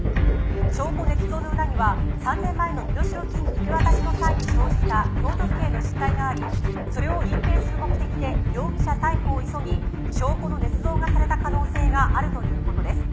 「証拠捏造の裏には３年前の身代金受け渡しの際に生じた京都府警の失態がありそれを隠蔽する目的で容疑者逮捕を急ぎ証拠の捏造がされた可能性があるという事です」